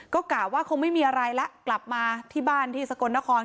ก็กะว่าคงไม่มีอะไรแล้วกลับมาที่บ้านที่สกลนคร